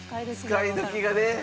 使い時がね。